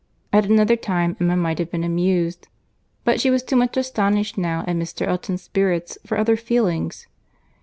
At another time Emma might have been amused, but she was too much astonished now at Mr. Elton's spirits for other feelings.